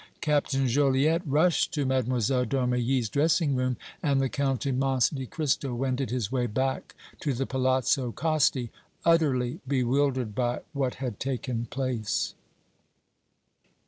Captain Joliette rushed to Mlle. d' Armilly's dressing room and the Count of Monte Cristo wended his way back to the Palazzo Costi, utterly bewildered by what had taken place.